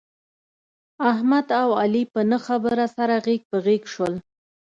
احمد او علي په نه خبره سره غېږ په غېږ شول.